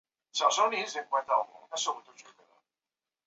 野雉尾金粉蕨为中国蕨科金粉蕨属下的一个种。